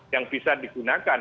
yang bisa digunakan